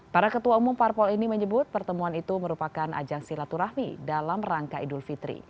para ketua umum parpol ini menyebut pertemuan itu merupakan ajang silaturahmi dalam rangka idul fitri